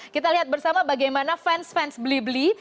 kita lihat bersama bagaimana fans fans beli beli